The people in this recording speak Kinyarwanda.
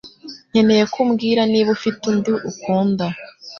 Nkeneye ko umbwira niba ufite undi ukunda.